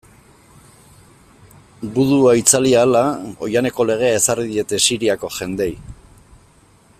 Gudua itzali ahala, oihaneko legea ezarri diete Siriako jendeei.